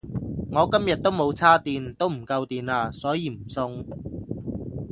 我今日都冇叉電都唔夠電呀所以唔送